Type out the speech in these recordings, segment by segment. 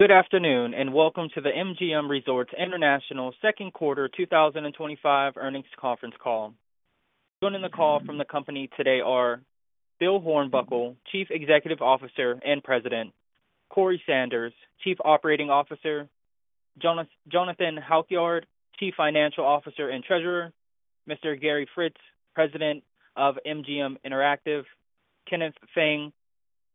Good afternoon and welcome to the MGM Resorts International Second Quarter 2025 Earnings Conference Call. Joining the call from the company today are Bill Hornbuckle, Chief Executive Officer and President, Corey Sanders, Chief Operating Officer, Jonathan Halkyard, Chief Financial Officer and Treasurer, Gary Fritz, President of MGM Interactive, Kenneth Feng,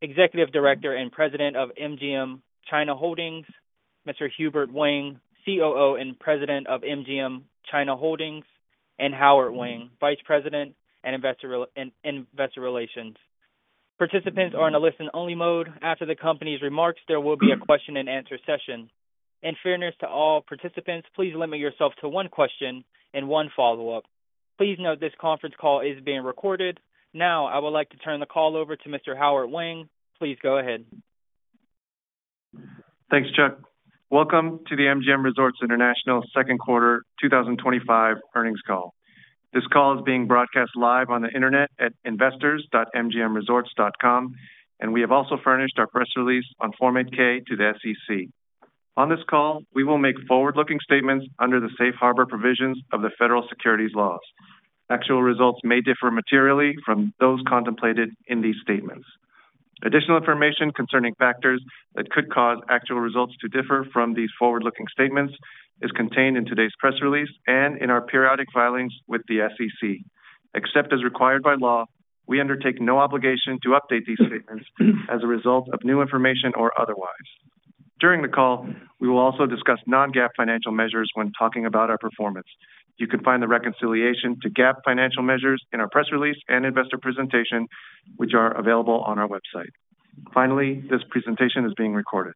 Executive Director and President of MGM China Holdings, Hubert Wang, Chief Operating Officer and President of MGM China Holdings, and Howard Wang, Vice President and Investor Relations. Participants are in a listen-only mode. After the company's remarks, there will be a question-and-answer session. In fairness to all participants, please limit yourself to one question and one follow-up. Please note this conference call is being recorded. Now, I would like to turn the call over to Howard Wang. Please go ahead. Thanks, Chuck. Welcome to the MGM Resorts International second quarter 2025 earnings call. This call is being broadcast live on the internet at investors.mgmresorts.com, and we have also furnished our press release on Form 8-K to the SEC. On this call, we will make forward-looking statements under the safe harbor provisions of the federal securities laws. Actual results may differ materially from those contemplated in these statements. Additional information concerning factors that could cause actual results to differ from these forward-looking statements is contained in today's press release and in our periodic filings with the SEC. Except as required by law, we undertake no obligation to update these statements as a result of new information or otherwise. During the call, we will also discuss non-GAAP financial measures when talking about our performance. You can find the reconciliation to GAAP financial measures in our press release and investor presentation, which are available on our website. Finally, this presentation is being recorded.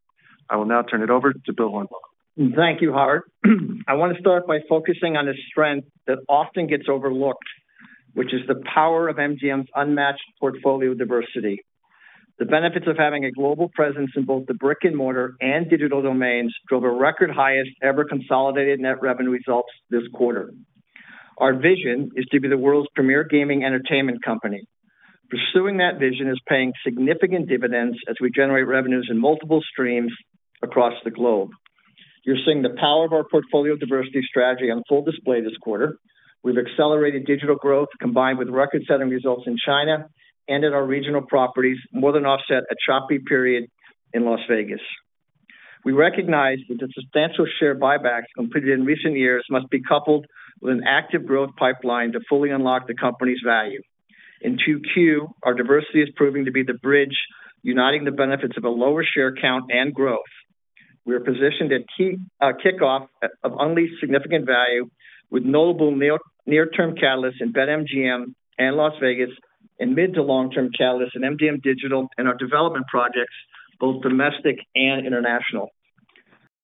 I will now turn it over to Bill Hornbuckle. Thank you, Howard. I want to start by focusing on a strength that often gets overlooked, which is the power of MGM's unmatched portfolio diversity. The benefits of having a global presence in both the brick-and-mortar and digital domains drove a record highest ever consolidated net revenue results this quarter. Our vision is to be the world's premier gaming entertainment company. Pursuing that vision is paying significant dividends as we generate revenues in multiple streams across the globe. You're seeing the power of our portfolio diversity strategy on full display this quarter. We've accelerated digital growth combined with record-setting results in China and at our regional properties, more than offset a choppy period in Las Vegas. We recognize that the substantial share buybacks completed in recent years must be coupled with an active growth pipeline to fully unlock the company's value. In Q2, our diversity is proving to be the bridge uniting the benefits of a lower share count and growth. We are positioned at kickoff to unleash significant value with notable near-term catalysts in BetMGM and Las Vegas, and mid-to-long-term catalysts in MGM Digital and our development projects, both domestic and international.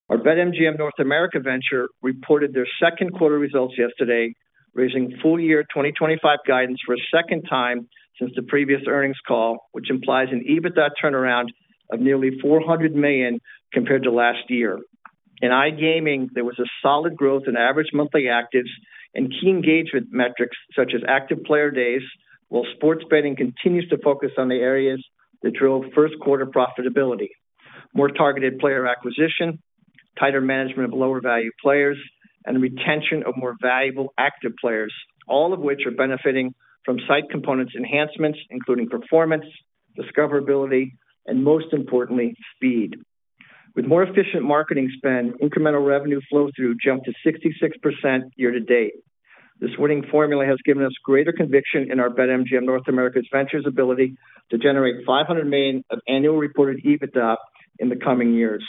Our BetMGM North America venture reported their second quarter results yesterday, raising full-year 2025 guidance for a second time since the previous earnings call, which implies an adjusted EBITDA turnaround of nearly $400 million compared to last year. In iGaming, there was solid growth in average monthly actives and key engagement metrics such as active player days, while sports betting continues to focus on the areas that drove first quarter profitability: more targeted player acquisition, tighter management of lower-value players, and retention of more valuable active players, all of which are benefiting from site components enhancements, including performance, discoverability, and most importantly, speed. With more efficient marketing spend, incremental revenue flow-through jumped to 66% year-to-date. This winning formula has given us greater conviction in our BetMGM North America venture's ability to generate $500 million of annual reported adjusted EBITDA in the coming years.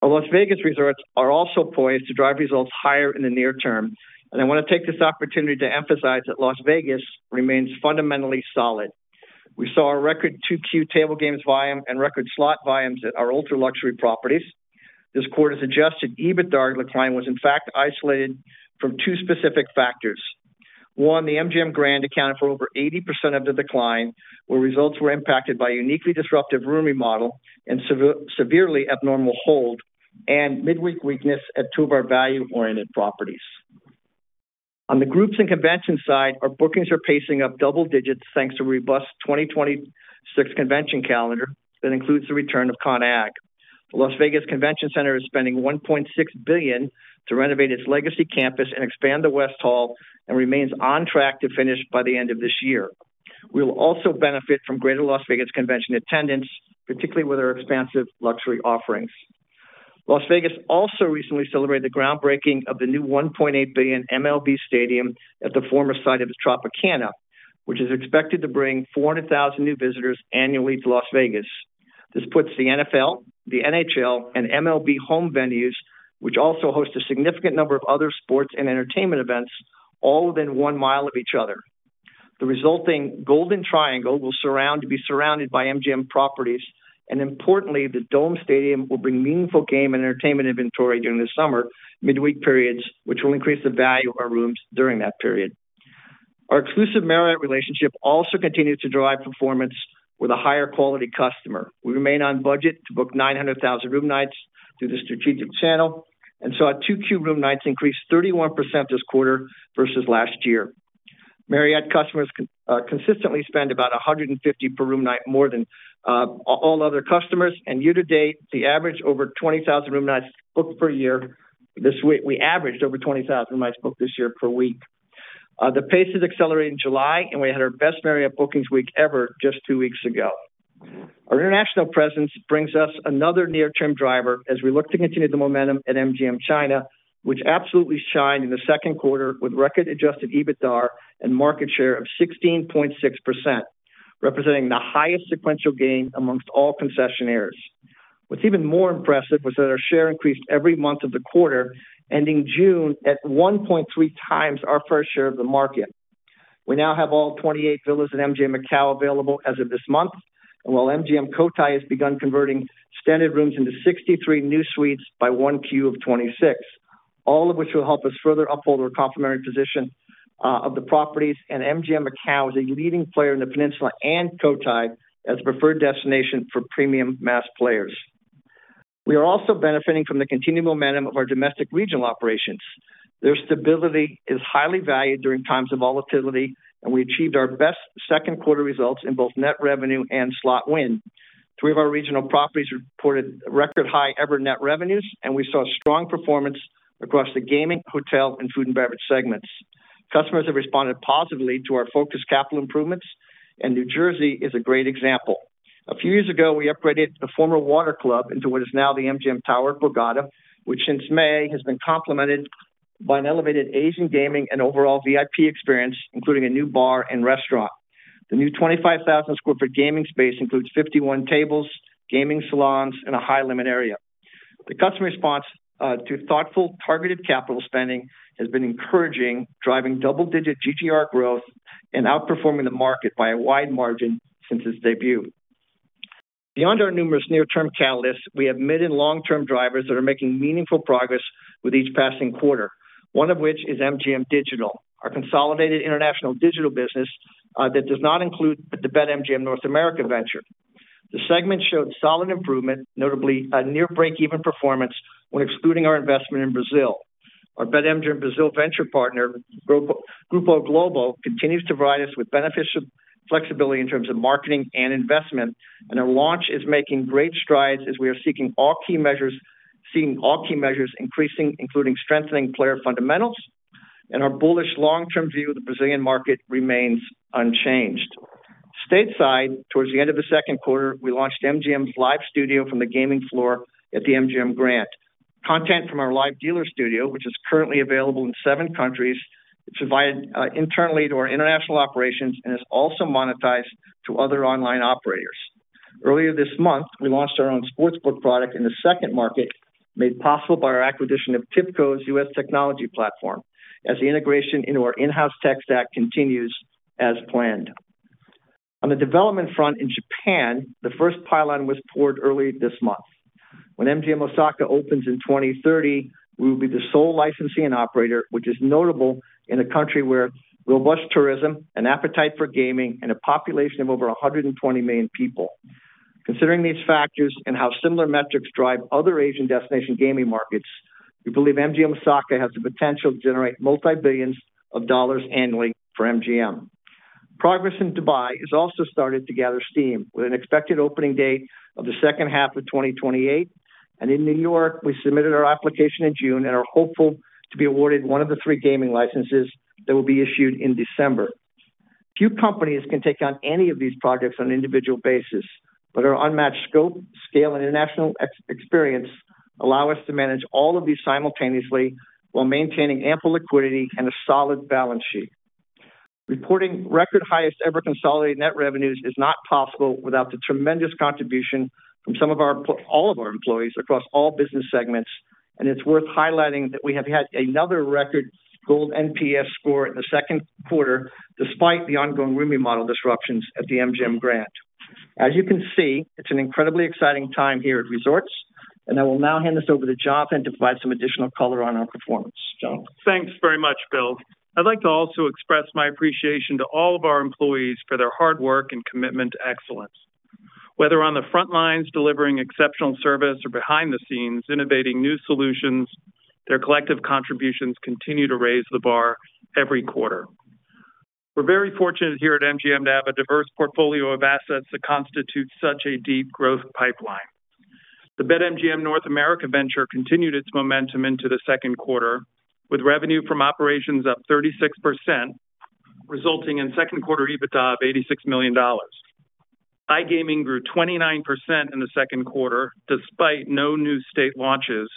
Our Las Vegas resorts are also poised to drive results higher in the near term, and I want to take this opportunity to emphasize that Las Vegas remains fundamentally solid. We saw a record Q2 table games volume and record slot volumes at our ultra-luxury properties. This quarter's adjusted EBITDA decline was, in fact, isolated from two specific factors. One, the MGM Grand accounted for over 80% of the decline, where results were impacted by a uniquely disruptive room remodel and severely abnormal hold and midweek weakness at two of our value-oriented properties. On the groups and convention side, our bookings are pacing up double digits thanks to a robust 2026 convention calendar that includes the return of ConAg. The Las Vegas Convention Center is spending $1.6 billion to renovate its legacy campus and expand the West Hall and remains on track to finish by the end of this year. We will also benefit from greater Las Vegas convention attendance, particularly with our expansive luxury offerings. Las Vegas also recently celebrated the groundbreaking of the new $1.8 billion MLB stadium at the former site of Tropicana, which is expected to bring 400,000 new visitors annually to Las Vegas. This puts the NFL, the NHL, and MLB home venues, which also host a significant number of other sports and entertainment events, all within one mile of each other. The resulting Golden Triangle will be surrounded by MGM properties, and importantly, the Dome Stadium will bring meaningful game and entertainment inventory during the summer midweek periods, which will increase the value of our rooms during that period. Our exclusive Marriott relationship also continues to drive performance with a higher-quality customer. We remain on budget to book 900,000 room nights through the strategic channel and saw 2Q room nights increase 31% this quarter versus last year. Marriott customers consistently spend about $150 per room night more than all other customers, and year to date, the average over 20,000 room nights booked per week. This week, we averaged over 20,000 room nights booked this year per week. The pace has accelerated in July, and we had our best Marriott bookings week ever just two weeks ago. Our international presence brings us another near-term driver as we look to continue the momentum at MGM China, which absolutely shined in the second quarter with record adjusted EBITDA and market share of 16.6%. Representing the highest sequential gain amongst all concessionaires. What's even more impressive was that our share increased every month of the quarter, ending June at 1.3x our first share of the market. We now have all 28 villas at MGM Macau available as of this month, and while MGM Cotai has begun converting standard rooms into 63 new suites by 1Q of 2026, all of which will help us further uphold our complementary position. Of the properties, and MGM Macau is a leading player in the peninsula and Cotai as a preferred destination for premium mass players. We are also benefiting from the continued momentum of our domestic regional operations. Their stability is highly valued during times of volatility, and we achieved our best second quarter results in both net revenue and slot win. Three of our regional properties reported record high ever net revenues, and we saw strong performance across the gaming, hotel, and food and beverage segments. Customers have responded positively to our focused capital improvements, and New Jersey is a great example. A few years ago, we upgraded the former Water Club into what is now the MGM Tower at Borgata, which since May has been complemented by an elevated Asian gaming and overall VIP experience, including a new bar and restaurant. The new 25,000-square-foot gaming space includes 51 tables, gaming salons, and a high-limit area. The customer response to thoughtful, targeted capital spending has been encouraging, driving double-digit GGR growth and outperforming the market by a wide margin since its debut. Beyond our numerous near-term catalysts, we have mid and long-term drivers that are making meaningful progress with each passing quarter, one of which is MGM Digital, our consolidated international digital business that does not include the BetMGM North America venture. The segment showed solid improvement, notably a near-break-even performance when excluding our investment in Brazil. Our BetMGM Brazil venture partner, Grupo Globo, continues to provide us with beneficial flexibility in terms of marketing and investment, and our launch is making great strides as we are seeing all key measures increasing, including strengthening player fundamentals, and our bullish long-term view of the Brazilian market remains unchanged. Stateside, towards the end of the second quarter, we launched MGM's live studio from the gaming floor at the MGM Grand. Content from our live dealer studio, which is currently available in seven countries, is provided internally to our international operations and is also monetized to other online operators. Earlier this month, we launched our own sportsbook product in the second market, made possible by our acquisition of Tipico's U.S. technology platform, as the integration into our in-house tech stack continues as planned. On the development front in Japan, the first pylon was poured early this month. When MGM Osaka opens in 2030, we will be the sole licensing operator, which is notable in a country where robust tourism, an appetite for gaming, and a population of over 120 million people. Considering these factors and how similar metrics drive other Asian destination gaming markets, we believe MGM Osaka has the potential to generate multi-billions of dollars annually for MGM. Progress in Dubai has also started to gather steam, with an expected opening date of the second half of 2028, and in New York, we submitted our application in June and are hopeful to be awarded one of the three gaming licenses that will be issued in December. Few companies can take on any of these projects on an individual basis, but our unmatched scope, scale, and international experience allow us to manage all of these simultaneously while maintaining ample liquidity and a solid balance sheet. Reporting record highest ever consolidated net revenues is not possible without the tremendous contribution from all of our employees across all business segments, and it's worth highlighting that we have had another record gold NPS score in the second quarter despite the ongoing room remodel disruptions at the MGM Grand. As you can see, it's an incredibly exciting time here at resorts, and I will now hand this over to Jonathan to provide some additional color on our performance. Thanks very much, Bill. I'd like to also express my appreciation to all of our employees for their hard work and commitment to excellence. Whether on the front lines delivering exceptional service or behind the scenes innovating new solutions, their collective contributions continue to raise the bar every quarter. We're very fortunate here at MGM to have a diverse portfolio of assets that constitute such a deep growth pipeline. The BetMGM North America venture continued its momentum into the second quarter with revenue from operations up 36%, resulting in second quarter EBITDA of $86 million. iGaming grew 29% in the second quarter despite no new state launches,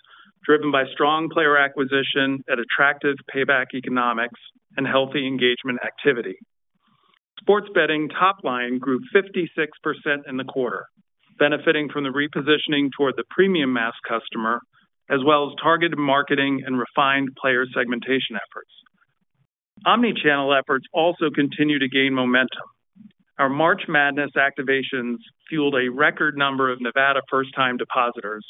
driven by strong player acquisition, attractive payback economics, and healthy engagement activity. Sports betting top line grew 56% in the quarter, benefiting from the repositioning toward the premium mass customer as well as targeted marketing and refined player segmentation efforts. Omnichannel efforts also continue to gain momentum. Our March Madness activations fueled a record number of Nevada first-time depositors,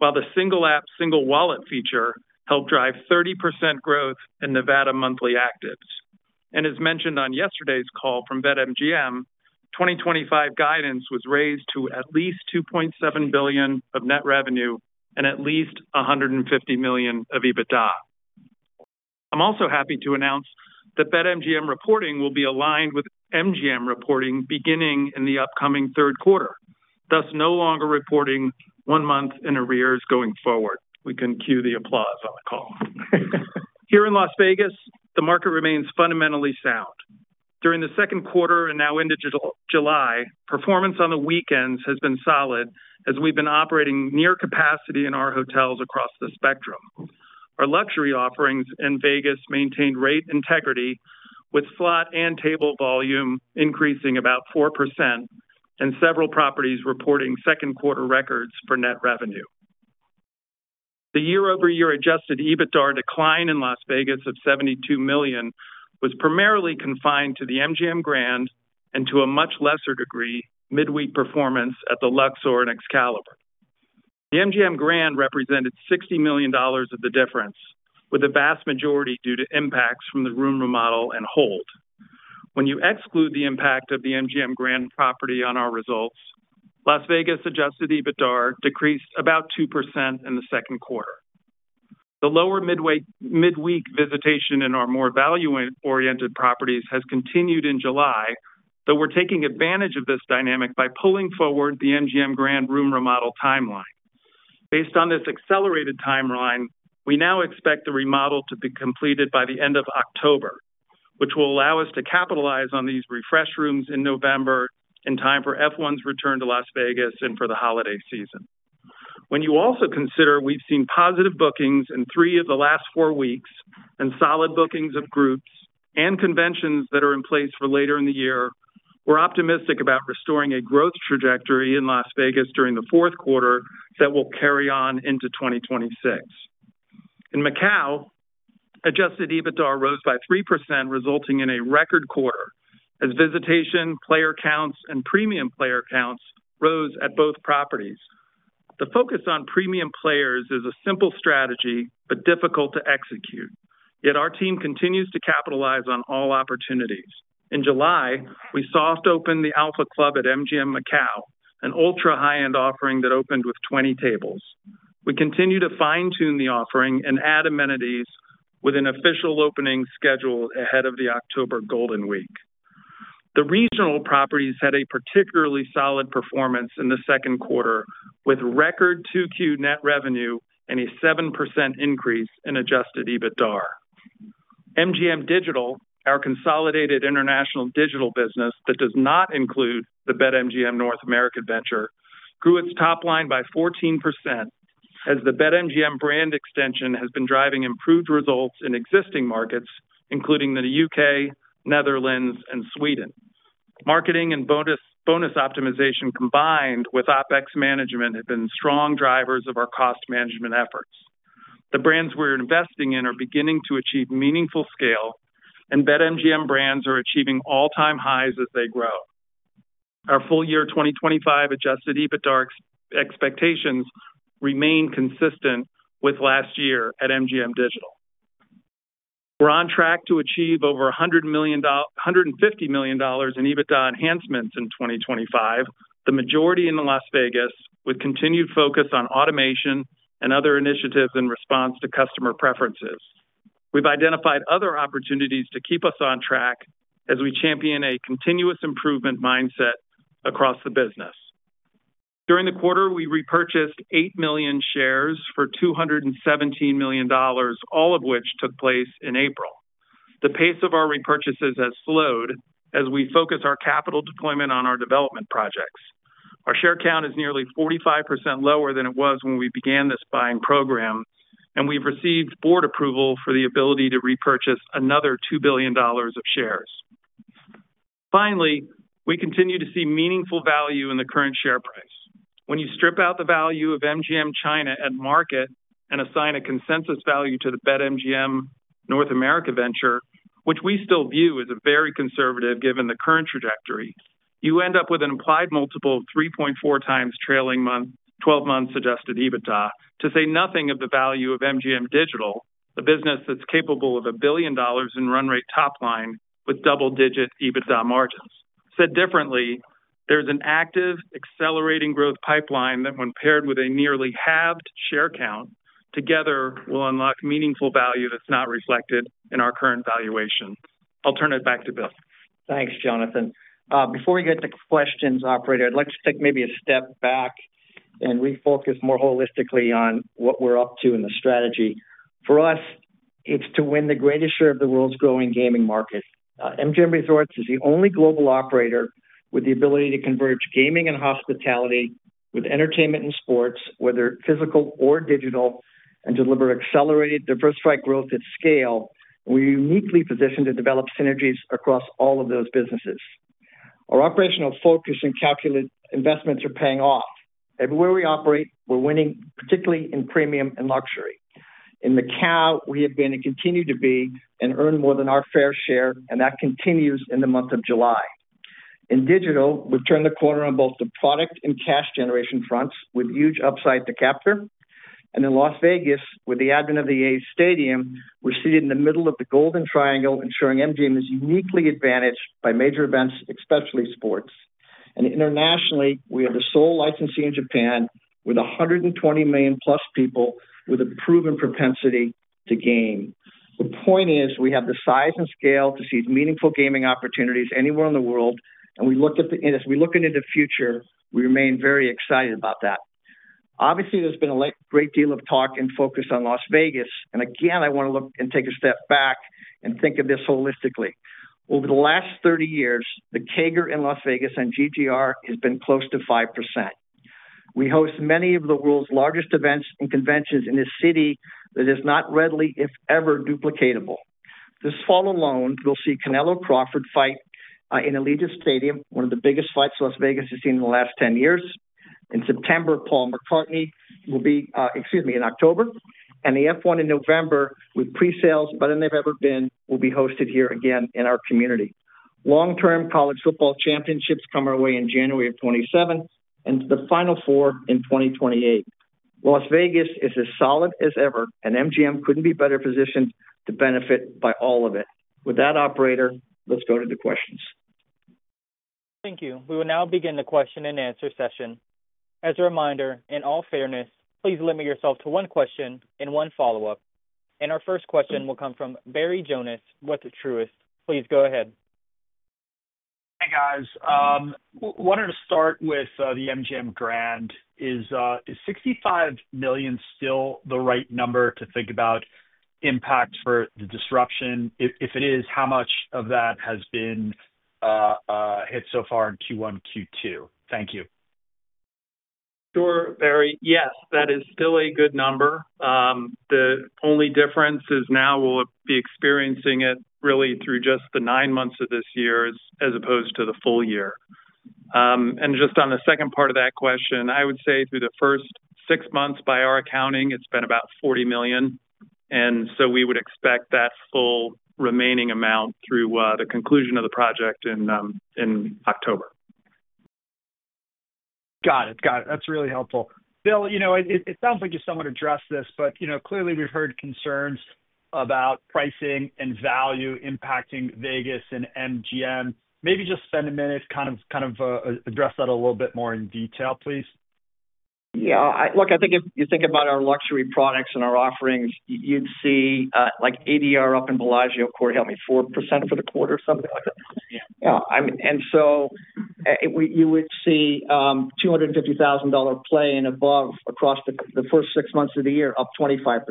while the single-app single-wallet feature helped drive 30% growth in Nevada monthly actives. As mentioned on yesterday's call from BetMGM, 2025 guidance was raised to at least $2.7 billion of net revenue and at least $150 million of EBITDA. I'm also happy to announce that BetMGM reporting will be aligned with MGM reporting beginning in the upcoming third quarter, thus no longer reporting one month in arrears going forward. We can cue the applause on the call. Here in Las Vegas, the market remains fundamentally sound. During the second quarter and now into July, performance on the weekends has been solid as we've been operating near capacity in our hotels across the spectrum. Our luxury offerings in Vegas maintained rate integrity, with slot and table volume increasing about 4% and several properties reporting second quarter records for net revenue. The year-over-year adjusted EBITDA decline in Las Vegas of $72 million was primarily confined to the MGM Grand and, to a much lesser degree, midweek performance at the Luxor and Excalibur. The MGM Grand represented $60 million of the difference, with the vast majority due to impacts from the room remodel and hold. When you exclude the impact of the MGM Grand property on our results, Las Vegas adjusted EBITDA decreased about 2% in the second quarter. The lower midweek visitation in our more value-oriented properties has continued in July, though we're taking advantage of this dynamic by pulling forward the MGM Grand room remodel timeline. Based on this accelerated timeline, we now expect the remodel to be completed by the end of October, which will allow us to capitalize on these refresh rooms in November in time for F1's return to Las Vegas and for the holiday season. When you also consider we've seen positive bookings in three of the last four weeks and solid bookings of groups and conventions that are in place for later in the year, we're optimistic about restoring a growth trajectory in Las Vegas during the fourth quarter that will carry on into 2026. In Macau, adjusted EBITDA rose by 3%, resulting in a record quarter as visitation, player counts, and premium player counts rose at both properties. The focus on premium players is a simple strategy but difficult to execute, yet our team continues to capitalize on all opportunities. In July, we soft-opened the Alpha Club at MGM Macau, an ultra-high-end offering that opened with 20 tables. We continue to fine-tune the offering and add amenities with an official opening scheduled ahead of the October Golden Week. The regional properties had a particularly solid performance in the second quarter with record 2Q net revenue and a 7% increase in adjusted EBITDA. MGM Digital, our consolidated international digital business that does not include the BetMGM North America venture, grew its top line by 14% as the BetMGM brand extension has been driving improved results in existing markets, including the U.K., Netherlands, and Sweden. Marketing and bonus optimization combined with OpEx management have been strong drivers of our cost management efforts. The brands we're investing in are beginning to achieve meaningful scale, and BetMGM brands are achieving all-time highs as they grow. Our full year 2025 adjusted EBITDA expectations remain consistent with last year at MGM Digital. We're on track to achieve over $150 million in EBITDA enhancements in 2025, the majority in Las Vegas, with continued focus on automation and other initiatives in response to customer preferences. We've identified other opportunities to keep us on track as we champion a continuous improvement mindset across the business. During the quarter, we repurchased 8 million shares for $217 million, all of which took place in April. The pace of our repurchases has slowed as we focus our capital deployment on our development projects. Our share count is nearly 45% lower than it was when we began this buying program, and we've received board approval for the ability to repurchase another $2 billion of shares. Finally, we continue to see meaningful value in the current share price. When you strip out the value of MGM China at market and assign a consensus value to the BetMGM North America venture, which we still view as very conservative given the current trajectory, you end up with an implied multiple of 3.4x trailing 12 months adjusted EBITDA, to say nothing of the value of MGM Digital, a business that's capable of a billion dollars in run rate top line with double-digit EBITDA margins. Said differently, there's an active accelerating growth pipeline that, when paired with a nearly halved share count, together will unlock meaningful value that's not reflected in our current valuation. I'll turn it back to Bill. Thanks, Jonathan. Before we get to questions, Operator, I'd like to take maybe a step back and refocus more holistically on what we're up to in the strategy. For us, it's to win the greatest share of the world's growing gaming market. MGM Resorts is the only global operator with the ability to converge gaming and hospitality with entertainment and sports, whether physical or digital, and deliver accelerated diversified growth at scale. We're uniquely positioned to develop synergies across all of those businesses. Our operational focus and calculated investments are paying off. Everywhere we operate, we're winning, particularly in premium and luxury. In Macau, we have been and continue to be and earn more than our fair share, and that continues in the month of July. In digital, we've turned the corner on both the product and cash generation fronts with huge upside to capture. In Las Vegas, with the advent of the A stadium, we're seated in the middle of the Golden Triangle, ensuring MGM is uniquely advantaged by major events, especially sports. Internationally, we are the sole licensing in Japan with 120 million plus people with a proven propensity to game. The point is we have the size and scale to seize meaningful gaming opportunities anywhere in the world, and as we look into the future, we remain very excited about that. Obviously, there's been a great deal of talk and focus on Las Vegas, and again, I want to look and take a step back and think of this holistically. Over the last 30 years, the CAGR in Las Vegas and GGR has been close to 5%. We host many of the world's largest events and conventions in a city that is not readily, if ever, duplicatable. This fall alone, we'll see Canelo Crawford fight in a legit stadium, one of the biggest fights Las Vegas has seen in the last 10 years. In September, Paul McCartney will be, excuse me, in October, and the F1 in November, with pre-sales better than they've ever been, will be hosted here again in our community. Long-term college football championships come our way in January of 2027 and the Final Four in 2028. Las Vegas is as solid as ever, and MGM couldn't be better positioned to benefit by all of it. With that, Operator, let's go to the questions. Thank you. We will now begin the question and answer session. As a reminder, in all fairness, please limit yourself to one question and one follow-up. Our first question will come from Barry Jonas with Truist. Please go ahead. Hey, guys. I wanted to start with the MGM Grand. Is $65 million still the right number to think about impact for the disruption? If it is, how much of that has been hit so far in Q1, Q2? Thank you. Sure, Barry. Yes, that is still a good number. The only difference is now we'll be experiencing it really through just the nine months of this year as opposed to the full year. On the second part of that question, I would say through the first six months, by our accounting, it's been about $40 million. We would expect that full remaining amount through the conclusion of the project in October. Got it. That's really helpful. Bill, it sounds like you somewhat addressed this, but clearly we've heard concerns about pricing and value impacting Las Vegas and MGM Resorts International. Maybe just spend a minute, kind of address that a little bit more in detail, please. Yeah. Look, I think if you think about our luxury products and our offerings, you'd see like ADR up in Bellagio, Corey, help me, 4% for the quarter, something like that. Yeah. You would see $250,000 playing above across the first six months of the year, up 25%.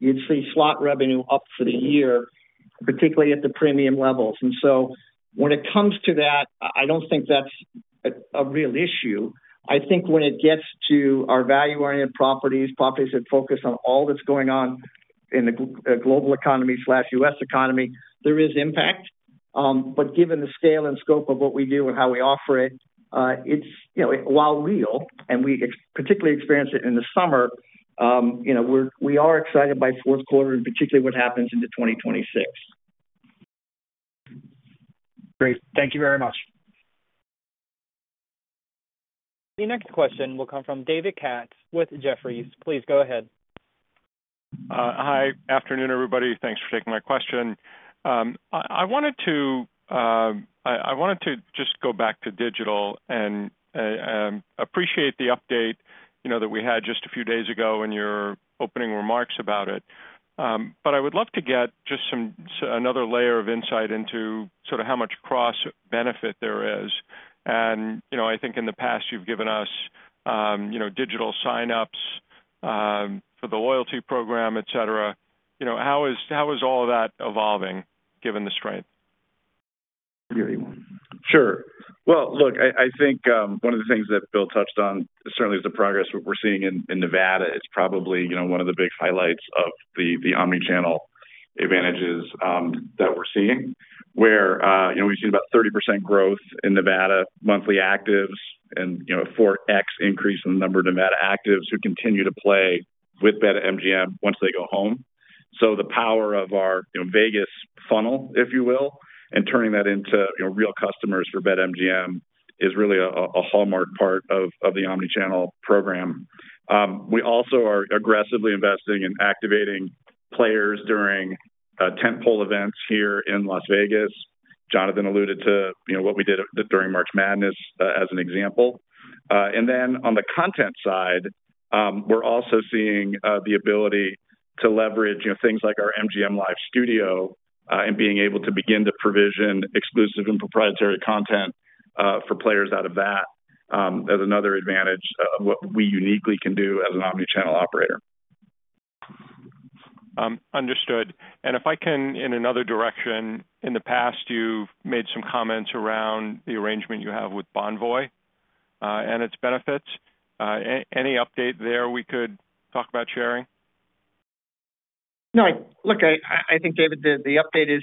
You'd see slot revenue up for the year, particularly at the premium levels. When it comes to that, I don't think that's a real issue. I think when it gets to our value-oriented properties, properties that focus on all that's going on in the global economy/U.S. economy, there is impact. Given the scale and scope of what we do and how we offer it, it's, while real, and we particularly experience it in the summer. We are excited by fourth quarter and particularly what happens into 2026. Great. Thank you very much. The next question will come from David Katz with Jefferies. Please go ahead. Hi. Afternoon, everybody. Thanks for taking my question. I wanted to just go back to digital and appreciate the update that we had just a few days ago in your opening remarks about it. I would love to get just another layer of insight into sort of how much cross-benefit there is. I think in the past you've given us digital sign-ups for the loyalty program, et cetera. How is all of that evolving given the strength? Sure. I think one of the things that Bill touched on certainly is the progress we're seeing in Nevada. It's probably one of the big highlights of the omnichannel advantages that we're seeing, where we've seen about 30% growth in Nevada monthly actives and a 4x increase in the number of Nevada actives who continue to play with BetMGM once they go home. The power of our Vegas funnel, if you will, and turning that into real customers for BetMGM is really a hallmark part of the omnichannel program. We also are aggressively investing in activating players during tentpole events here in Las Vegas. Jonathan alluded to what we did during March Madness as an example. On the content side, we're also seeing the ability to leverage things like our MGM Live Studio and being able to begin to provision exclusive and proprietary content for players out of that. That's another advantage of what we uniquely can do as an omnichannel operator. Understood. If I can in another direction, in the past, you've made some comments around the arrangement you have with Bonvoy and its benefits. Any update there we could talk about sharing? No. Look, I think, David, the update is,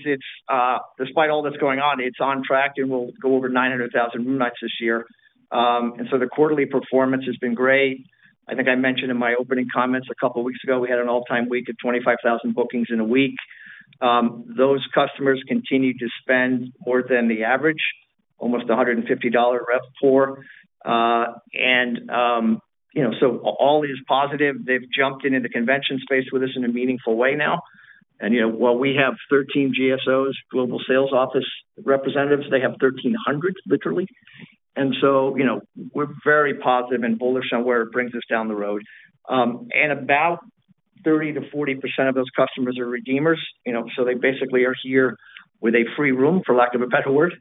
despite all that's going on, it's on track and we'll go over 900,000 room nights this year. The quarterly performance has been great. I think I mentioned in my opening comments a couple of weeks ago, we had an all-time week of 25,000 bookings in a week. Those customers continue to spend more than the average, almost $150, Rep Corps. All is positive. They've jumped into the convention space with us in a meaningful way now. While we have 13 GSOs, Global Sales Office representatives, they have 1,300, literally. We're very positive and bolder somewhere it brings us down the road. About 30% to 40% of those customers are redeemers. They basically are here with a free room, for lack of a better word,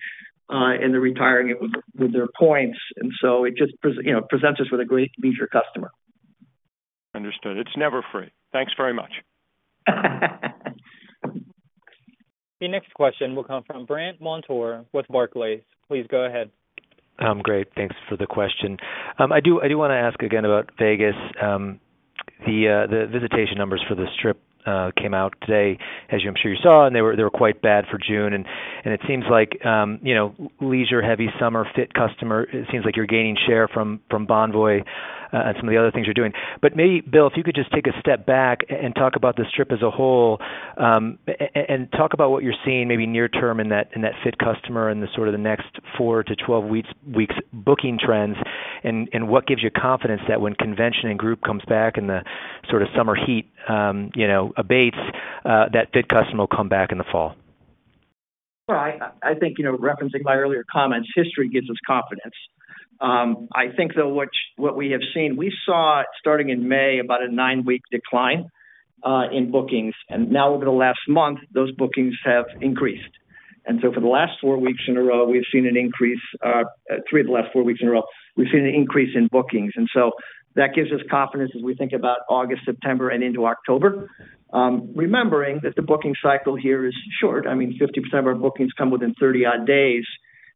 and they're retiring with their points. It just presents us with a great leisure customer. Understood. It's never free. Thanks very much. The next question will come from Brandt Montour with Barclays. Please go ahead. Great. Thanks for the question. I do want to ask again about Las Vegas. The visitation numbers for the Strip came out today, as I'm sure you saw, and they were quite bad for June. It seems like leisure-heavy summer FIT customer, it seems like you're gaining share from Bonvoy and some of the other things you're doing. Maybe, Bill, if you could just take a step back and talk about the Strip as a whole. Talk about what you're seeing maybe near-term in that FIT customer and the next 4 to 12 weeks' booking trends and what gives you confidence that when convention and group comes back and the summer heat abates, that FIT customer will come back in the fall. Sure. I think referencing my earlier comments, history gives us confidence. I think, though, what we have seen, we saw starting in May about a nine-week decline in bookings. Now over the last month, those bookings have increased. For the last four weeks in a row, we've seen an increase, three of the last four weeks in a row, we've seen an increase in bookings. That gives us confidence as we think about August, September, and into October, remembering that the booking cycle here is short. I mean, 50% of our bookings come within 30-odd days.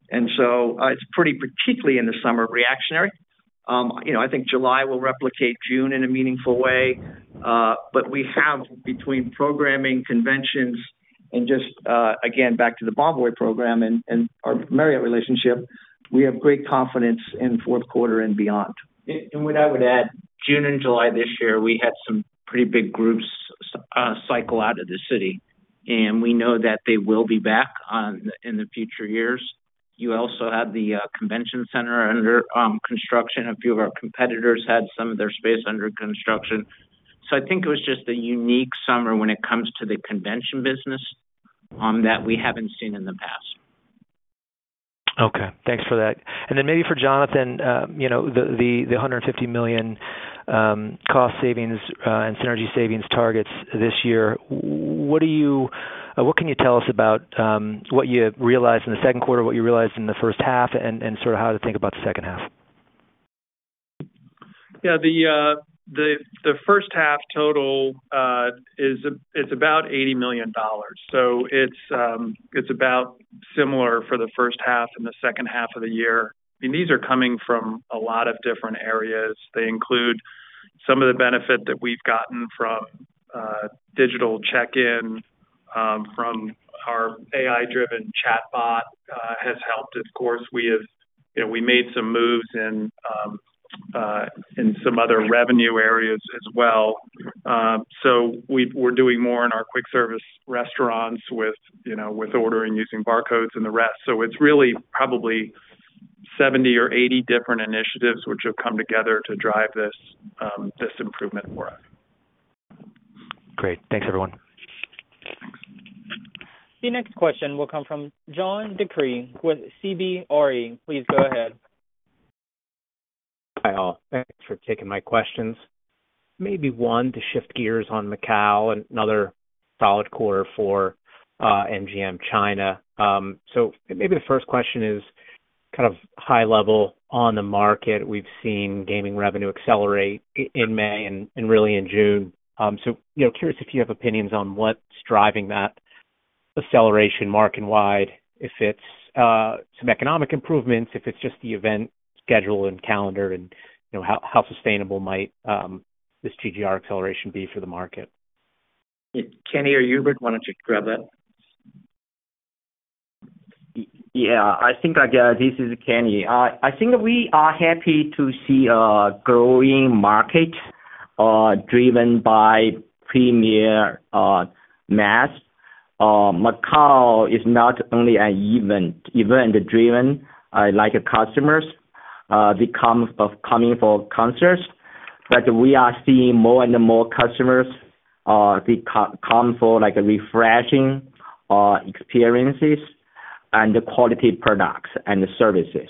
It's pretty, particularly in the summer, reactionary. I think July will replicate June in a meaningful way. We have, between programming, conventions, and just, again, back to the Marriott Bonvoy program and our Marriott relationship, great confidence in fourth quarter and beyond. What I would add, June and July this year, we had some pretty big groups cycle out of the city. We know that they will be back in future years. You also have the convention center under construction. A few of our competitors had some of their space under construction. I think it was just a unique summer when it comes to the convention business that we haven't seen in the past. Okay. Thanks for that. Maybe for Jonathan. The $150 million cost savings and synergy savings targets this year, what can you tell us about what you realized in the second quarter, what you realized in the first half, and sort of how to think about the second half? Yeah. The first half total is about $80 million. It's about similar for the first half and the second half of the year. I mean, these are coming from a lot of different areas. They include some of the benefit that we've gotten from digital check-in. Our AI-driven chatbot has helped. Of course, we made some moves in some other revenue areas as well. We're doing more in our quick service restaurants with ordering, using barcodes, and the rest. It's really probably 70 or 80 different initiatives which have come together to drive this improvement for us. Great. Thanks, everyone. The next question will come from John DeCree with CBRE. Please go ahead. Hi, all. Thanks for taking my questions. Maybe one to shift gears on Macau and another solid quarter for MGM China. The first question is kind of high-level on the market. We've seen gaming revenue accelerate in May and really in June. I'm curious if you have opinions on what's driving that acceleration market-wide, if it's some economic improvements, if it's just the event schedule and calendar, and how sustainable might this GGR acceleration be for the market. Kenneth or Hubert, why don't you grab that? Yeah. I think I get it. This is Kenny. I think we are happy to see a growing market, driven by premium mass. Macau is not only event-driven like customers. They come for concerts, but we are seeing more and more customers come for refreshing experiences and quality products and services.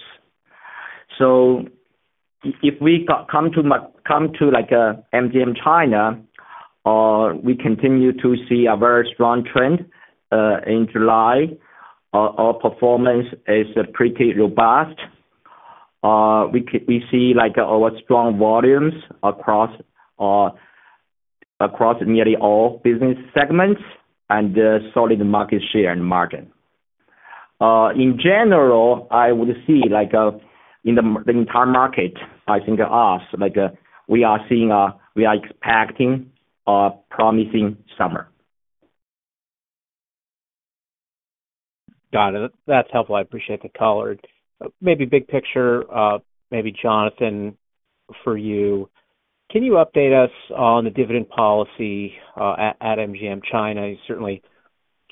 If we come to MGM China, we continue to see a very strong trend. In July, our performance is pretty robust. We see our strong volumes across nearly all business segments and solid market share and margin. In general, I would see in the entire market, I think of us, we are seeing a we are expecting a promising summer. Got it. That's helpful. I appreciate the color. Maybe big picture, maybe Jonathan, for you. Can you update us on the dividend policy at MGM China? Certainly,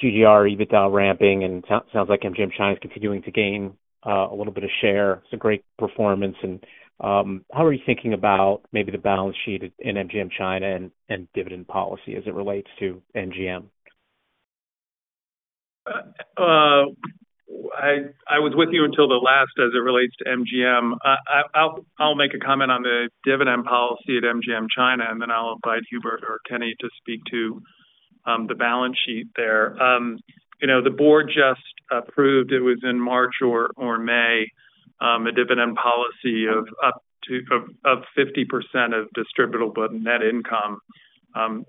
GGR, adjusted EBITDA ramping, and it sounds like MGM China is continuing to gain a little bit of share. It's a great performance. How are you thinking about maybe the balance sheet in MGM China and dividend policy as it relates to MGM? I was with you until the last as it relates to MGM. I'll make a comment on the dividend policy at MGM China, and then I'll invite Hubert or Kenny to speak to the balance sheet there. The board just approved, it was in March or May, a dividend policy of 50% of distributable net income.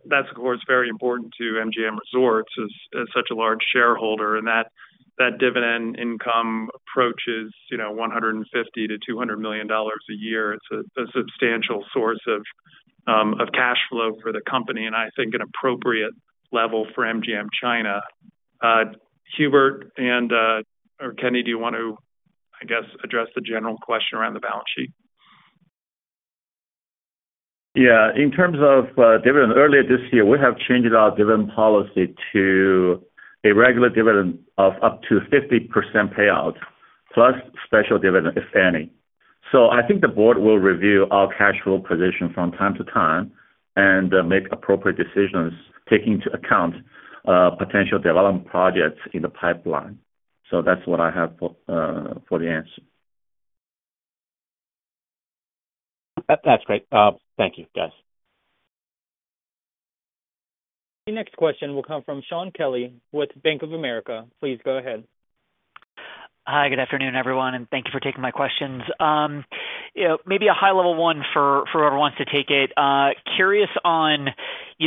That's, of course, very important to MGM Resorts as such a large shareholder, and that dividend income approaches $150 million to $200 million a year. It's a substantial source of cash flow for the company, and I think an appropriate level for MGM China. Hubert or Kenny, do you want to, I guess, address the general question around the balance sheet? Yeah. In terms of dividend, earlier this year, we have changed our dividend policy to a regular dividend of up to 50% payout, plus special dividend, if any. I think the board will review our cash flow position from time to time and make appropriate decisions, taking into account potential development projects in the pipeline. That's what I have for the answer. That's great. Thank you, guys. The next question will come from Shaun Kelley with Bank of America. Please go ahead. Hi. Good afternoon, everyone. Thank you for taking my questions. Maybe a high-level one for whoever wants to take it. Curious on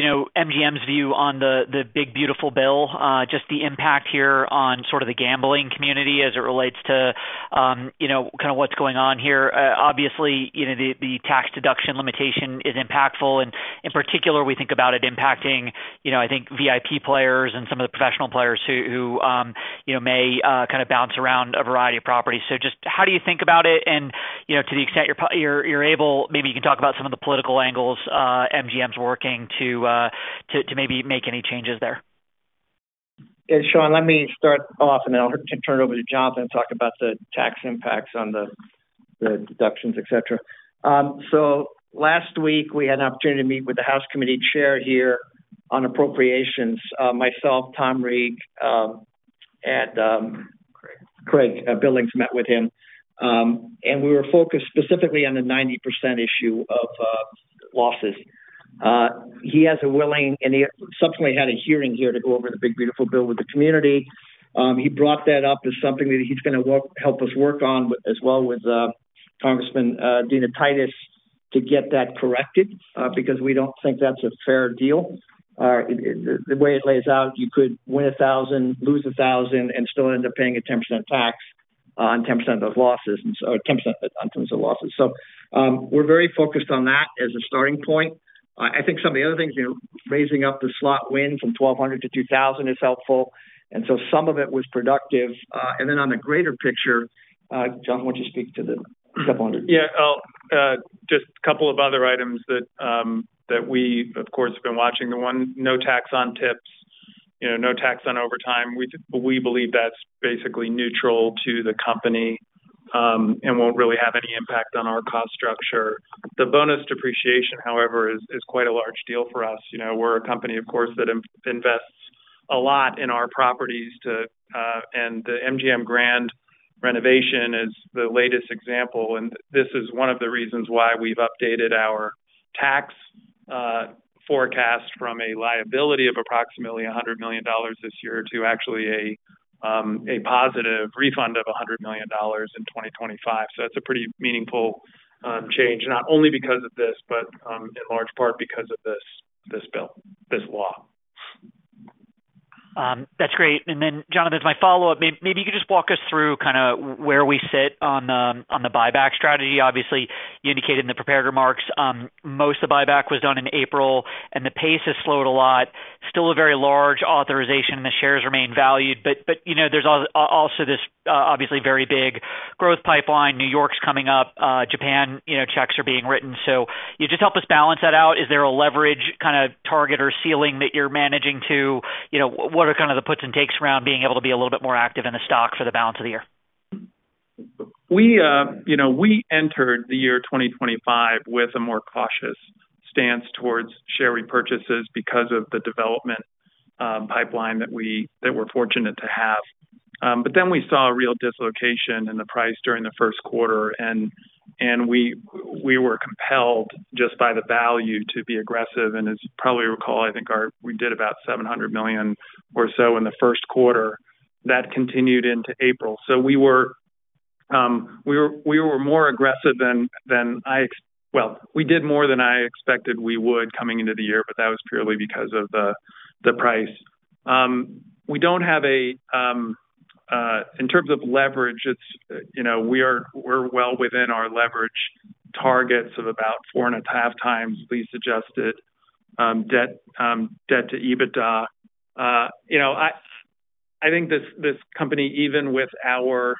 MGM's view on the Big Beautiful Bill, just the impact here on the gambling community as it relates to what's going on here. Obviously, the tax deduction limitation is impactful. In particular, we think about it impacting, I think, VIP players and some of the professional players who may bounce around a variety of properties. How do you think about it? To the extent you're able, maybe you can talk about some of the political angles MGM's working to maybe make any changes there. Yeah. Sean, let me start off, and then I'll turn it over to Jonathan and talk about the tax impacts on the deductions, et cetera. Last week, we had an opportunity to meet with the House Committee Chair here on Appropriations, myself, Tom Reeg, and Craig Billings met with him. We were focused specifically on the 90% issue of losses. He is willing, and he subsequently had a hearing here to go over the big, beautiful bill with the community. He brought that up as something that he's going to help us work on as well with Congresswoman Dina Titus to get that corrected because we don't think that's a fair deal. The way it lays out, you could win $1,000, lose $1,000, and still end up paying a 10% tax on 10% of those losses, or 10% in terms of losses. We're very focused on that as a starting point. I think some of the other things, raising up the slot win from $1,200 to $2,000 is helpful. Some of it was productive. On the greater picture, John, why don't you speak to the couple hundred? Yeah. Just a couple of other items that we, of course, have been watching. The one, no tax on tips, no tax on overtime. We believe that's basically neutral to the company and won't really have any impact on our cost structure. The bonus depreciation, however, is quite a large deal for us. We're a company, of course, that invests a lot in our properties, and the MGM Grand renovation is the latest example. This is one of the reasons why we've updated our tax forecast from a liability of approximately $100 million this year to actually a positive refund of $100 million in 2025. That's a pretty meaningful change, not only because of this, but in large part because of this bill, this law. That's great. Jonathan, my follow-up, maybe you could just walk us through kind of where we sit on the buyback strategy. Obviously, you indicated in the prepared remarks, most of the buyback was done in April, and the pace has slowed a lot. Still a very large authorization, and the shares remain valued. There's also this, obviously, very big growth pipeline. New York's coming up. Japan checks are being written. Can you just help us balance that out? Is there a leverage kind of target or ceiling that you're managing to? What are kind of the puts and takes around being able to be a little bit more active in the stock for the balance of the year? We entered the year 2025 with a more cautious stance towards share repurchases because of the development pipeline that we're fortunate to have. Then we saw a real dislocation in the price during the first quarter. We were compelled just by the value to be aggressive. As you probably recall, I think we did about $700 million or so in the first quarter. That continued into April. We were more aggressive than I expected we would coming into the year, but that was purely because of the price. We don't have a, in terms of leverage, we're well within our leverage targets of about 4.5x lease-adjusted debt to EBITDA. I think this company, even with our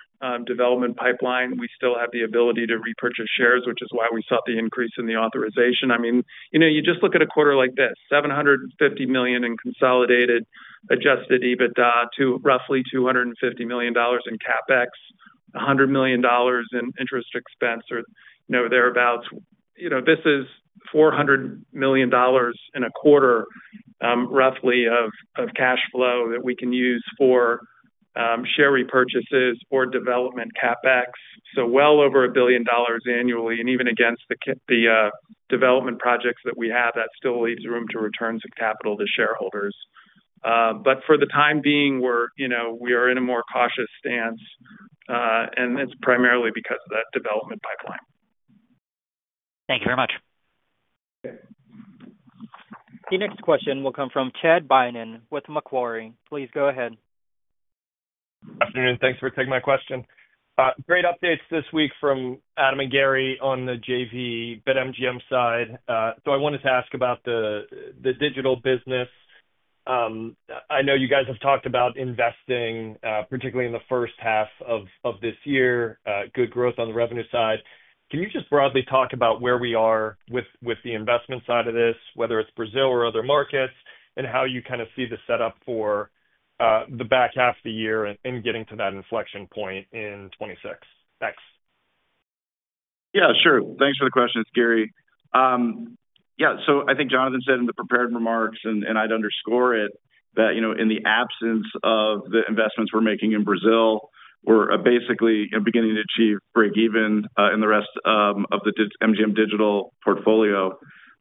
development pipeline, we still have the ability to repurchase shares, which is why we saw the increase in the authorization. You just look at a quarter like this, $750 million in consolidated adjusted EBITDA to roughly $250 million in CapEx, $100 million in interest expense, or thereabouts. This is $400 million in a quarter, roughly, of cash flow that we can use for share repurchases or development CapEx. Well over $1 billion annually. Even against the development projects that we have, that still leaves room to return some capital to shareholders. For the time being, we are in a more cautious stance, and it's primarily because of that development pipeline. Thank you very much. The next question will come from Chad Beynon with Macquarie. Please go ahead. Afternoon. Thanks for taking my question. Great updates this week from Adam and Gary on the JV, BetMGM side. I wanted to ask about the digital business. I know you guys have talked about investing, particularly in the first half of this year, good growth on the revenue side. Can you just broadly talk about where we are with the investment side of this, whether it's Brazil or other markets, and how you kind of see the setup for the back half of the year and getting to that inflection point in 2026? Thanks. Yeah, sure. Thanks for the question, Gary. Yeah. I think Jonathan said in the prepared remarks, and I'd underscore it, that in the absence of the investments we're making in Brazil, we're basically beginning to achieve break-even in the rest of the MGM Digital portfolio.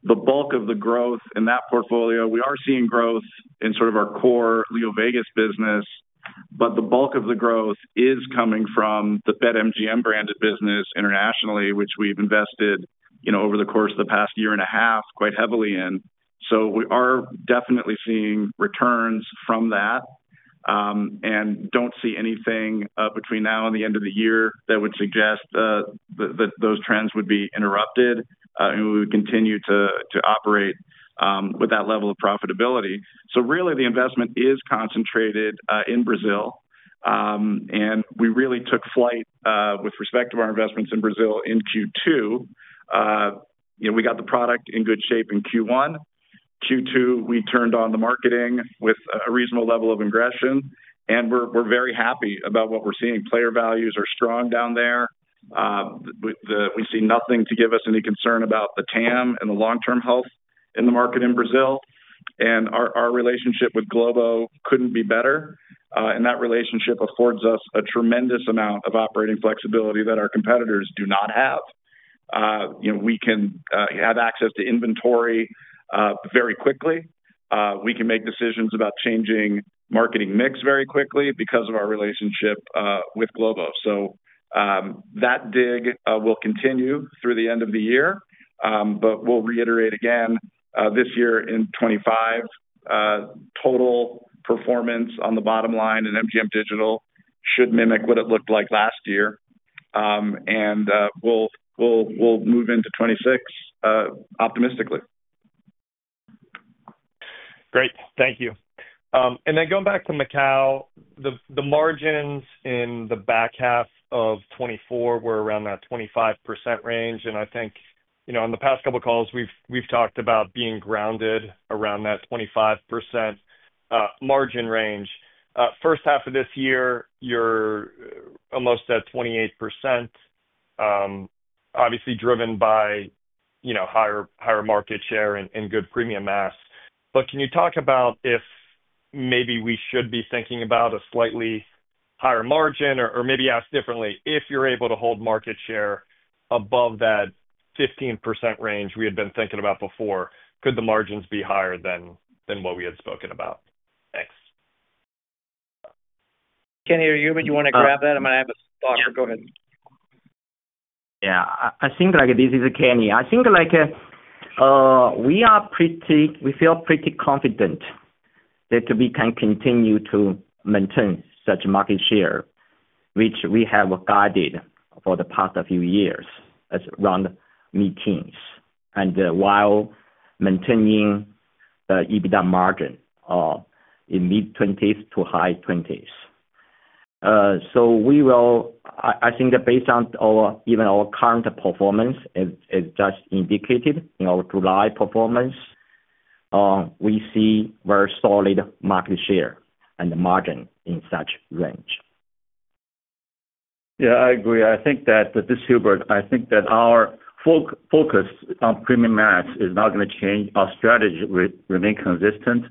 The bulk of the growth in that portfolio, we are seeing growth in sort of our core LeoVegas business. The bulk of the growth is coming from the BetMGM branded business internationally, which we've invested over the course of the past year and a half quite heavily in. We are definitely seeing returns from that. I don't see anything between now and the end of the year that would suggest that those trends would be interrupted, and we would continue to operate with that level of profitability. Really, the investment is concentrated in Brazil. We really took flight with respect to our investments in Brazil in Q2. We got the product in good shape in Q1. In Q2, we turned on the marketing with a reasonable level of ingression, and we're very happy about what we're seeing player values are strong down there. We see nothing to give us any concern about the TAM and the long-term health in the market in Brazil. Our relationship with Globo couldn't be better, and that relationship affords us a tremendous amount of operating flexibility that our competitors do not have. We can have access to inventory very quickly. We can make decisions about changing marketing mix very quickly because of our relationship with Globo. That dig will continue through the end of the year. I'll reiterate again, this year in 2025, total performance on the bottom line in MGM Digital should mimic what it looked like last year, and we'll move into 2026 optimistically. Great. Thank you. Going back to Macau, the margins in the back half of 2024 were around that 25% range. I think in the past couple of calls, we've talked about being grounded around that 25% margin range. First half of this year, you're almost at 28%, obviously driven by higher market share and good premium mass. Can you talk about if maybe we should be thinking about a slightly higher margin, or maybe ask differently, if you're able to hold market share above that 15% range we had been thinking about before, could the margins be higher than what we had spoken about? Thanks. Kenneth, are you able to grab that? I'm going to have a thought. Go ahead. I think this is Kenny. We feel pretty confident that we can continue to maintain such market share, which we have guided for the past few years around meetings and while maintaining the EBITDA margin in mid-20s to high 20s. I think that based on even our current performance, as just indicated in our July performance, we see very solid market share and the margin in such range. Yeah, I agree. I think that, this is Hubert. I think that our focus on premium mass is not going to change. Our strategy remains consistent,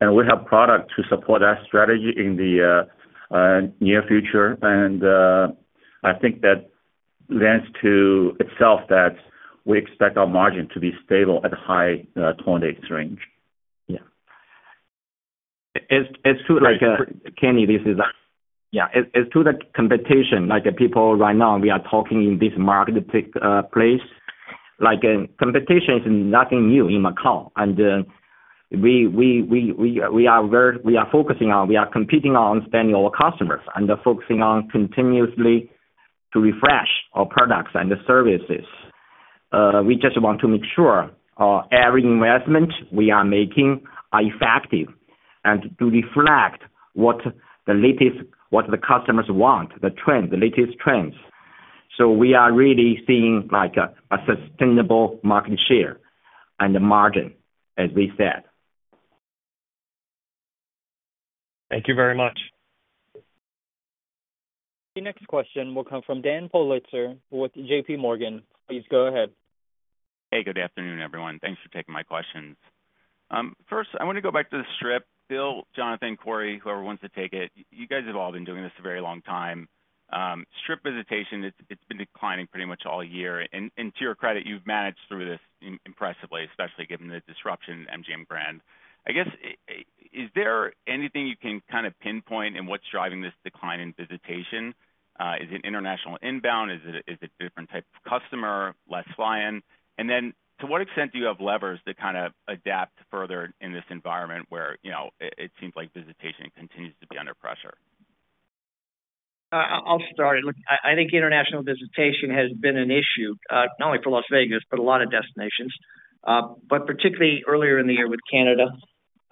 and we have product to support that strategy in the near future. I think that lends to itself that we expect our margin to be stable at a high 20% range. Yeah. As to -- Kenny, as to the competition, people right now, we are talking in this marketplace. Competition is nothing new in Macau. We are focusing on, we are competing on spending our customers and focusing on continuously to refresh our products and the services. We just want to make sure every investment we are making is effective and to reflect what the customers want, the trends, the latest trends. We are really seeing a sustainable market share and the margin, as we said. Thank you very much. The next question will come from Dan Politzer with JP Morgan. Please go ahead. Hey, good afternoon, everyone. Thanks for taking my questions. First, I want to go back to the Strip. Bill, Jonathan, Corey, whoever wants to take it. You guys have all been doing this a very long time. Strip visitation, it's been declining pretty much all year. To your credit, you've managed through this impressively, especially given the disruption in MGM Grand. Is there anything you can kind of pinpoint in what's driving this decline in visitation? Is it international inbound? Is it a different type of customer, less fly-in? To what extent do you have levers to kind of adapt further in this environment where it seems like visitation continues to be under pressure? I'll start. I think international visitation has been an issue, not only for Las Vegas, but a lot of destinations. Particularly earlier in the year with Canada.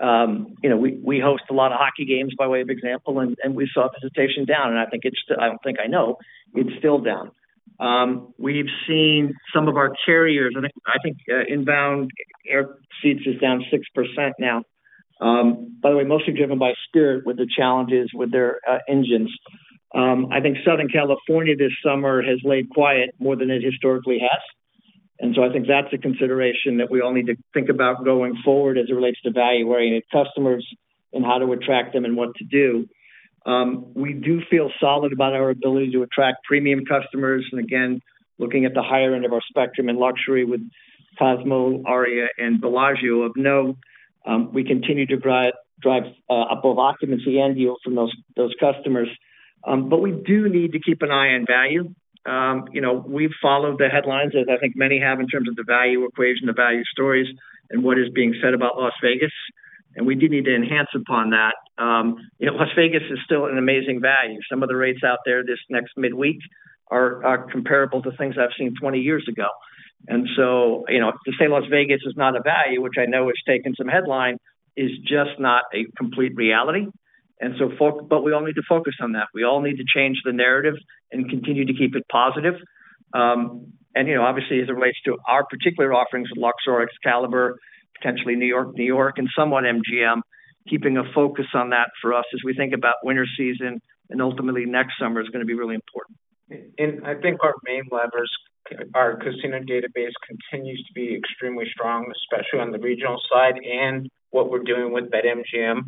We host a lot of hockey games, by way of example, and we saw visitation down. I don't think, I know it's still down. We've seen some of our carriers, I think inbound. Air seats is down 6% now. By the way, mostly driven by Spirit with the challenges with their engines. I think Southern California this summer has laid quiet more than it historically has. I think that's a consideration that we all need to think about going forward as it relates to value-weighted customers and how to attract them and what to do. We do feel solid about our ability to attract premium customers. Again, looking at the higher end of our spectrum in luxury with Cosmo, Aria, and Bellagio, of note, we continue to drive up our occupancy and yield from those customers. We do need to keep an eye on value. We've followed the headlines, as I think many have in terms of the value equation, the value stories, and what is being said about Las Vegas. We do need to enhance upon that. Las Vegas is still an amazing value. Some of the rates out there this next midweek are comparable to things I've seen 20 years ago. To say Las Vegas is not a value, which I know has taken some headline, is just not a complete reality. We all need to focus on that. We all need to change the narrative and continue to keep it positive. Obviously, as it relates to our particular offerings with Luxor, Excalibur, potentially New York, New York, and somewhat MGM Grand, keeping a focus on that for us as we think about winter season and ultimately next summer is going to be really important. I think our main levers, our casino database continues to be extremely strong, especially on the regional side. What we're doing with BetMGM,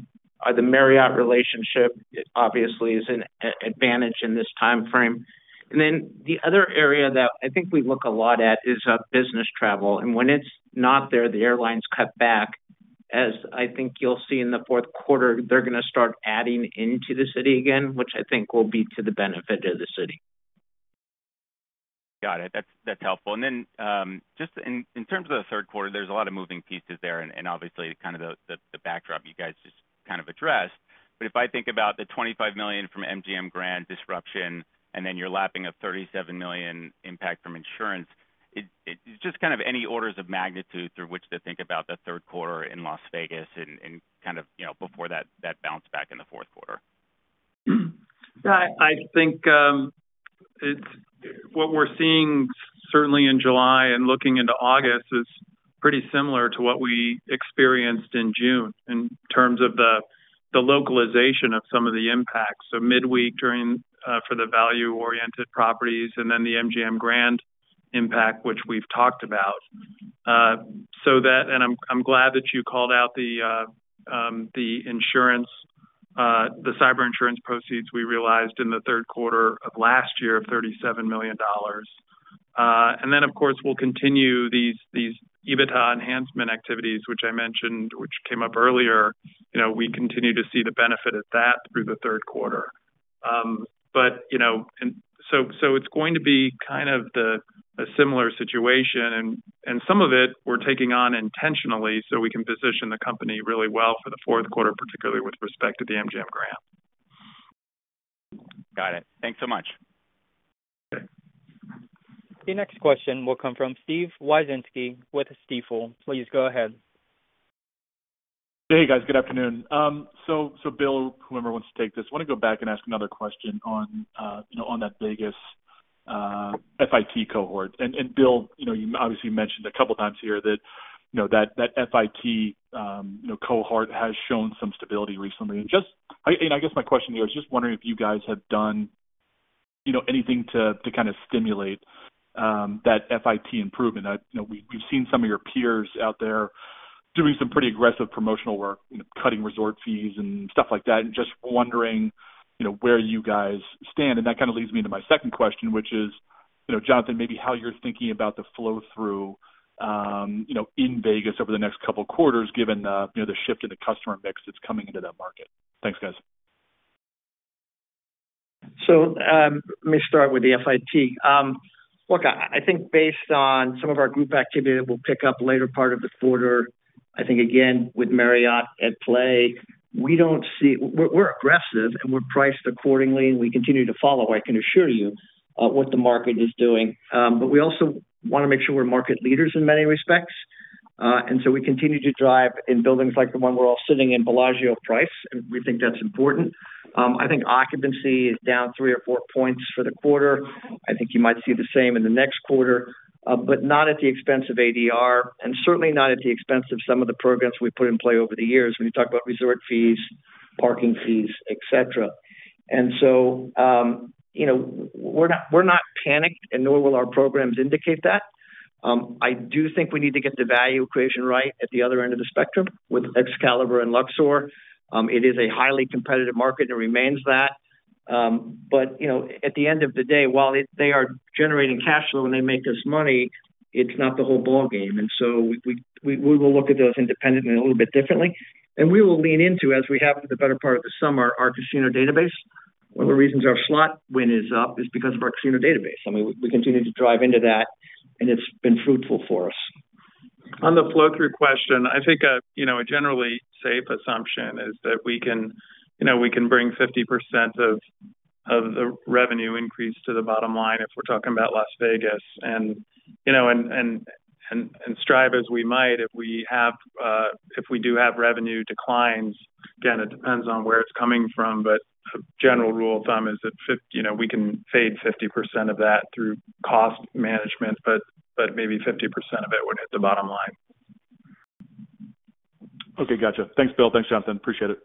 the Marriott relationship, obviously, is an advantage in this timeframe. The other area that I think we look a lot at is business travel. When it's not there, the airlines cut back. As I think you'll see in the fourth quarter, they're going to start adding into the city again, which I think will be to the benefit of the city. Got it. That's helpful. In terms of the third quarter, there's a lot of moving pieces there and obviously kind of the backdrop you guys just addressed. If I think about the $25 million from MGM Grand disruption and then you're lapping a $37 million impact from insurance, it's just kind of any orders of magnitude through which to think about the third quarter in Las Vegas and kind of before that bounce back in the fourth quarter. What we're seeing certainly in July and looking into August is pretty similar to what we experienced in June in terms of the localization of some of the impacts. Midweek for the value-oriented properties and then the MGM Grand impact, which we've talked about. I'm glad that you called out the cyber insurance proceeds we realized in the third quarter of last year of $37 million. Of course, we'll continue these EBITDA enhancement activities, which I mentioned, which came up earlier. We continue to see the benefit of that through the third quarter. It's going to be kind of a similar situation, and some of it we're taking on intentionally so we can position the company really well for the fourth quarter, particularly with respect to the MGM Grand. Got it. Thanks so much. The next question will come from Steve Wieczynski with Stifel. Please go ahead. Hey, guys. Good afternoon. Bill, whoever wants to take this, I want to go back and ask another question on that Las Vegas FIT cohort. Bill, you obviously mentioned a couple of times here that FIT cohort has shown some stability recently. I guess my question here is just wondering if you guys have done anything to kind of stimulate that FIT improvement. We've seen some of your peers out there doing some pretty aggressive promotional work, cutting resort fees and stuff like that, and just wondering where you guys stand. That kind of leads me into my second question, which is, Jonathan, maybe how you're thinking about the flow through in Vegas over the next couple of quarters, given the shift in the customer mix that's coming into that market. Thanks, guys. Let me start with the FIT. I think based on some of our group activity that we'll pick up later part of the quarter, I think, again, with Marriott at play, we don't see we're aggressive and we're priced accordingly. We continue to follow, I can assure you, what the market is doing. We also want to make sure we're market leaders in many respects. We continue to drive in buildings like the one we're all sitting in, Bellagio Price, and we think that's important. I think occupancy is down 3 or 4 points for the quarter. You might see the same in the next quarter, but not at the expense of ADR and certainly not at the expense of some of the programs we put in play over the years when you talk about resort fees, parking fees, etc. We're not panicked, nor will our programs indicate that. I do think we need to get the value equation right at the other end of the spectrum with Excalibur and Luxor. It is a highly competitive market and remains that. At the end of the day, while they are generating cash flow and they make us money, it's not the whole ballgame. We will look at those independently a little bit differently. We will lean into, as we have for the better part of the summer, our casino database. One of the reasons our slot win is up is because of our casino database. We continue to drive into that, and it's been fruitful for us. On the flow through question, I think a generally safe assumption is that we can bring 50% of the revenue increase to the bottom line if we're talking about Las Vegas. Strive as we might, if we do have revenue declines, again, it depends on where it's coming from, but a general rule of thumb is that we can fade 50% of that through cost management, but maybe 50% of it would hit the bottom line. Okay, got it. Thanks, Bill. Thanks, Jonathan. Appreciate it.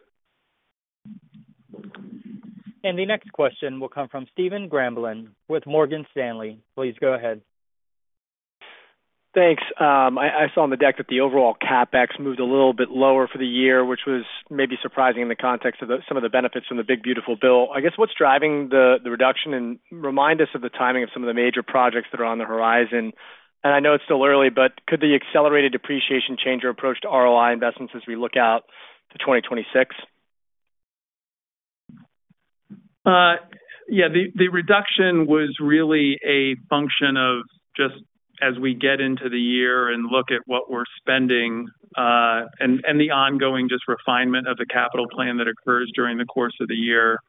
The next question will come from Stephen Grambling with Morgan Stanley. Please go ahead. Thanks. I saw on the deck that the overall CapEx moved a little bit lower for the year, which was maybe surprising in the context of some of the benefits from the big, beautiful bill. I guess what's driving the reduction, and remind us of the timing of some of the major projects that are on the horizon? I know it's still early, but could the accelerated depreciation change our approach to ROI investments as we look out to 2026? Yeah, the reduction was really a function of just as we get into the year and look at what we're spending. The ongoing refinement of the capital plan that occurs during the course of the year.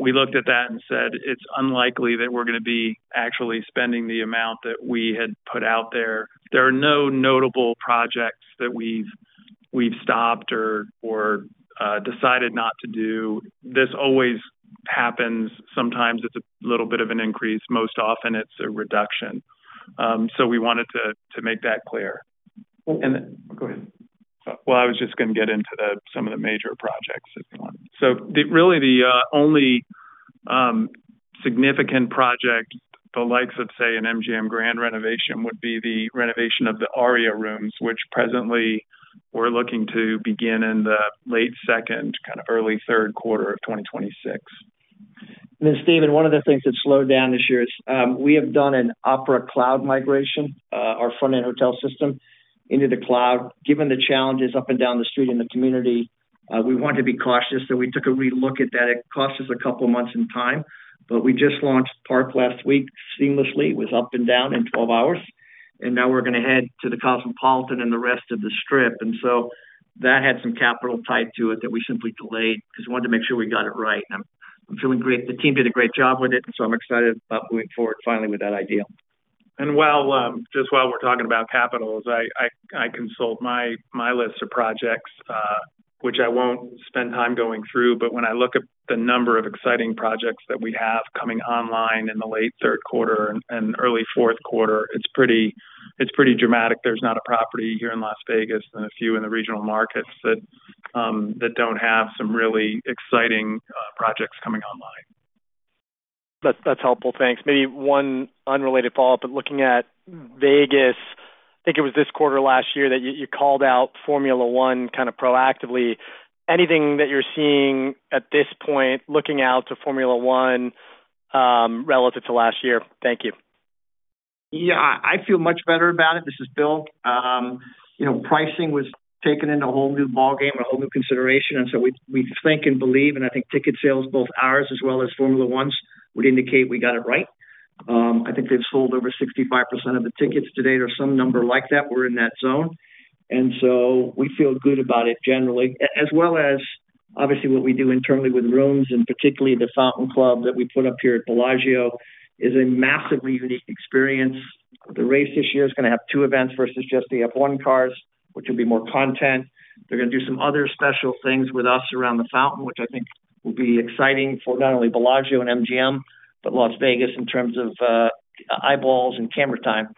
We looked at that and said it's unlikely that we're going to be actually spending the amount that we had put out there. There are no notable projects that we've stopped or decided not to do. This always happens. Sometimes it's a little bit of an increase. Most often it's a reduction. We wanted to make that clear. Go ahead. I was just going to get into some of the major projects if you want. Really the only significant project, the likes of, say, an MGM Grand renovation, would be the renovation of the Aria rooms, which presently we're looking to begin in the late second, kind of early third quarter of 2026. One of the things that slowed down this year is we have done an OPERA Cloud migration, our front-end hotel system, into the cloud. Given the challenges up and down the street in the community, we want to be cautious. We took a re-look at that. It cost us a couple of months in time. We just launched Park last week seamlessly. It was up and down in 12 hours. Now we're going to head to the Cosmopolitan and the rest of the Strip. That had some capital tied to it that we simply delayed because we wanted to make sure we got it right. I'm feeling great. The team did a great job with it. I'm excited about moving forward finally with that idea. While we're talking about capitals, I consult my list of projects, which I won't spend time going through. When I look at the number of exciting projects that we have coming online in the late third quarter and early fourth quarter, it's pretty dramatic. There's not a property here in Las Vegas and a few in the regional markets that don't have some really exciting projects coming online. That's helpful. Thanks. Maybe one unrelated follow-up. Looking at Vegas, I think it was this quarter last year that you called out Formula 1 kind of proactively. Anything that you're seeing at this point looking out to Formula 1 relative to last year? Thank you. Yeah, I feel much better about it. This is Bill. Pricing was taken into a whole new ballgame, a whole new consideration. We think and believe, and I think ticket sales, both ours as well as Formula 1's, would indicate we got it right. I think they've sold over 65% of the tickets today or some number like that. We're in that zone. We feel good about it generally, as well as obviously what we do internally with rooms and particularly the Fountain Club that we put up here at Bellagio is a massively unique experience. The race this year is going to have two events versus just the F1 cars, which will be more content. They're going to do some other special things with us around the fountain, which I think will be exciting for not only Bellagio and MGM, but Las Vegas in terms of eyeballs and camera time.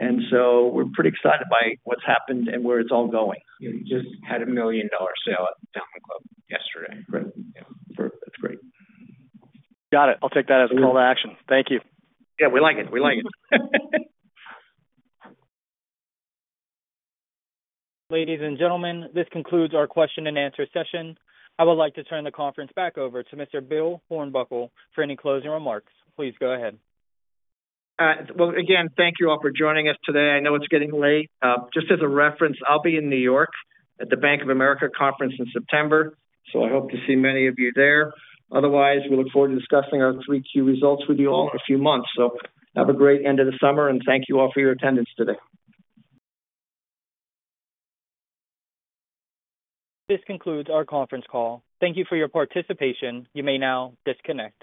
We're pretty excited by what's happened and where it's all going. You just had a $1 million sale at the Fountain Club yesterday. That's great. Got it. I'll take that as a call to action. Thank you. Yeah, we like it. We like it. Ladies and gentlemen, this concludes our question and answer session. I would like to turn the conference back over to Mr. Bill Hornbuckle for any closing remarks. Please go ahead. Thank you all for joining us today. I know it's getting late. Just as a reference, I'll be in New York at the Bank of America Conference in September. I hope to see many of you there. Otherwise, we look forward to discussing our three key results with you all in a few months. Have a great end of the summer, and thank you all for your attendance today. This concludes our conference call. Thank you for your participation. You may now disconnect.